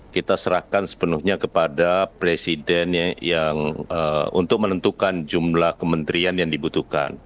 kita serahkan sepenuhnya kepada presiden yang untuk menentukan jumlah kementerian yang dibutuhkan